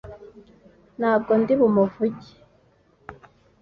ntabwo ndi bumuvuge [